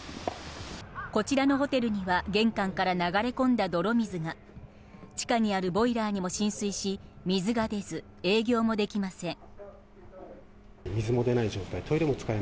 こちらのホテルには玄関から流れ込んだ泥水が地下にあるボイラーにも浸水し、水が出ず営業もできません。